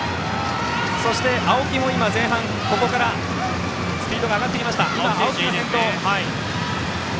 そして、青木も前半からスピードが上がって青木が先頭。